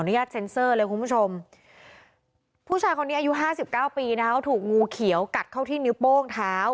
เนื้อตายเลยอ่ะค่ะ